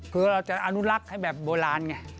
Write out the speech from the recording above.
คือเราจะอนุรักษ์ให้แบบโบราณไง